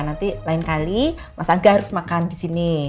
nanti lain kali mas angga harus makan di sini